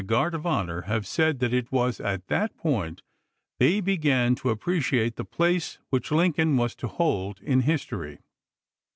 guard of honor have said that it was at that point they began to appreciate the place which Lincoln was to hold in history.